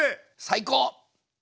最高！